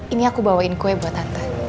ini aku bawain kue buat tante